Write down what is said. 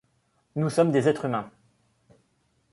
Nous sommes des êtres humains.